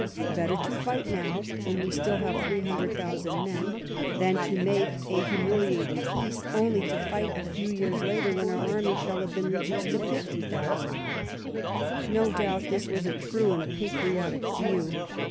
Better to fight now when we still have 300,000 men, than to make a humiliating peace, only to fight a few years later, when our army shall have been reduced to 50,000." No doubt this was a true and a patriotic view.